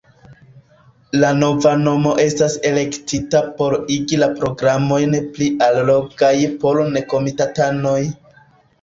La nova nomo estas elektita por igi la programerojn pli allogaj por nekomitatanoj.